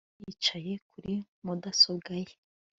Tom yari yicaye kuri mudasobwa ye